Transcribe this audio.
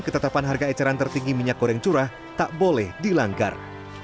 ketetapan harga eceran tertinggi minyak goreng curah tak boleh dilanggar